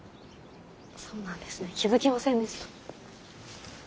そうなんですね気付きませんでした。